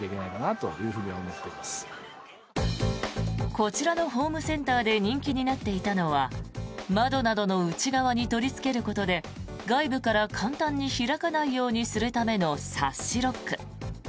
こちらのホームセンターで人気になっていたのは窓などの内側に取りつけることで外部から簡単に開かないようにするためのサッシロック。